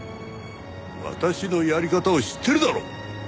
私のやり方を知ってるだろう！